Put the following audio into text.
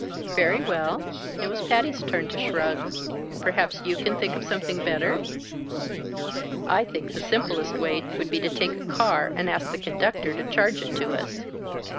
"Very well." It was Patty's turn to shrug. "Perhaps you can think of something better?" "I think the simplest way would be to take a car, and ask the conductor to charge it to us."